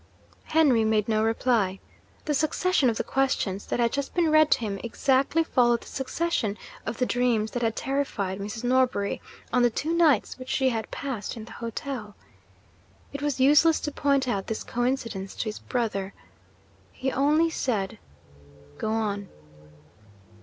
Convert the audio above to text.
Henry made no reply. The succession of the questions that had just been read to him, exactly followed the succession of the dreams that had terrified Mrs. Norbury, on the two nights which she had passed in the hotel. It was useless to point out this coincidence to his brother. He only said, 'Go on.'